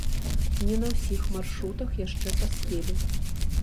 Не на ўсіх маршрутах яшчэ паспелі.